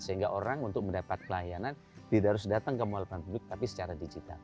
sehingga orang untuk mendapatkan layanan tidak harus datang ke mall plain public tapi secara digital